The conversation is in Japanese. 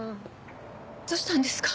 どうしたんですか？